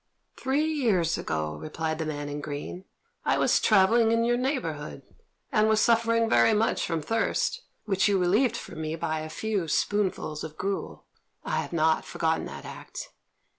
"Three years ago," replied the man in green, "I was travelling in your neighbourhood, and was suffering very much from thirst, which you relieved for me by a few spoonfuls of gruel. I have not forgotten that act."